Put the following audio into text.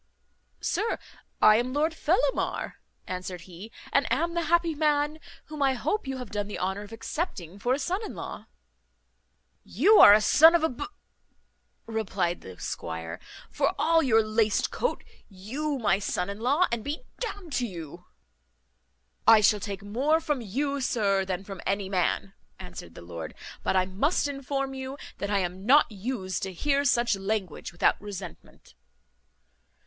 "Sir, I am Lord Fellamar," answered he, "and am the happy man whom I hope you have done the honour of accepting for a son in law." "You are a son of a b ," replied the squire, "for all your laced coat. You my son in law, and be d n'd to you!" "I shall take more from you, sir, than from any man," answered the lord; "but I must inform you that I am not used to hear such language without resentment."